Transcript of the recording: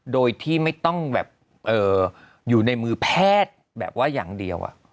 โดยที่ไม่ต้องแบบอยู่ในมือแพทย์แบบว่าอย่างเดียว